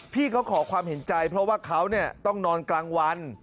พี่เขาขอความเห็นใจเพราะว่าเขาต้องนอนกลางวัน